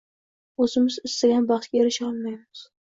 o‘zimiz istagan baxtga erisha olmaymiz.